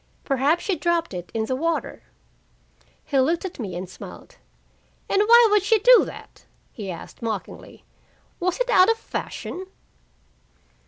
"Perhaps she dropped it in the water." He looked at me and smiled. "And why would she do that?" he asked mockingly. "Was it out of fashion?"